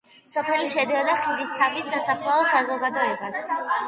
სოფელი შედიოდა ხიდისთავის სასოფლო საზოგადოებას.